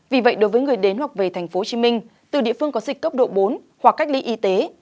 vì vậy đối với người đến hoặc về tp hcm từ địa phương có dịch cấp độ bốn hoặc cách ly y tế